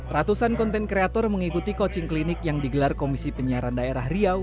ratusan konten kreator mengikuti coaching klinik yang digelar komisi penyiaran daerah riau